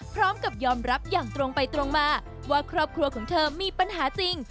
พร้อมกับยอมรับอย่างตรงไปตรงมาว่าครอบครัวของเธอมีปัญหาจริง